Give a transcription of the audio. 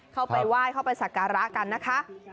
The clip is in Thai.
เข้าไปไหว้เข้าไปสักการะกันนะคะ